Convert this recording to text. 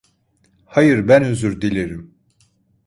Hayır, ben özür dilerim.